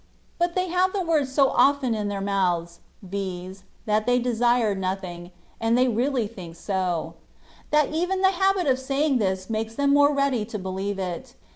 But they have the words so often in their mouths, viz., that they desire nothing (and they really think so), that even the habit of saying this makes them more ready to believe it.